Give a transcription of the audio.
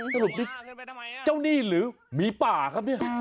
สรุปนี่เจ้าหนี้หรือหมีป่าครับเนี่ย